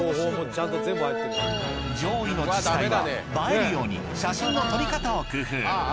上位の自治体は映えるように写真の撮り方を工夫！